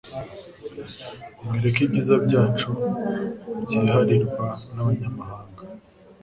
mwireka ibyiza byacu byiharirwa n' abanyamahanga